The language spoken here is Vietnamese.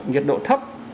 nhiệt độ thấp